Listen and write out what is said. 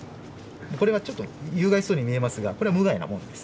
これはちょっと有害そうに見えますがこれは無害なもんです。